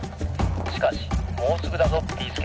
しかしもうすぐだぞビーすけ！」。